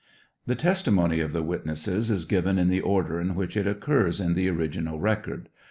The testimony of the witnesses is given in the order in which it occurs in the original record.